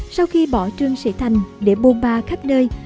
sau khi bỏ trương sĩ thành để buôn ba khắp nơi